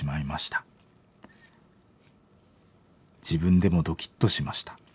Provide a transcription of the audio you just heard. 自分でもドキッとしました。